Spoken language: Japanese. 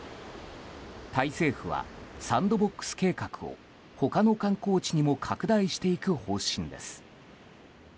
タイ政府はサンドボックス計画を他の観光地にも拡大していく方針です。